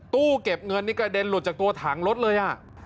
ตู้เก็บเงินนี่กระเด็นหลุดจากตัวถังรถเลย